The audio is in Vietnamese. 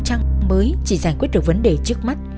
trong năm mới chỉ giải quyết được vấn đề trước mắt